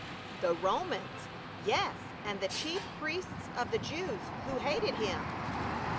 "The Romans — yes, and the chief priests of the Jews, who hated him."